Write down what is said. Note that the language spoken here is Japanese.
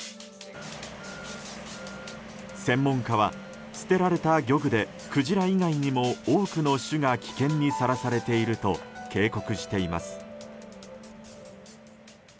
専門家は捨てられた漁具でクジラ以外にも多くの種が危険にさらされていると警告しています。